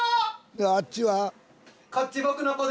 あっちは？